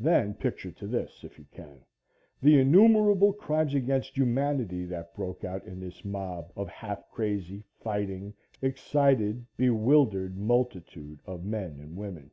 Then picture to this, if you can, the innumerable crimes against humanity that broke out in this mob of half crazy, fighting, excited, bewildered multitude of men and women.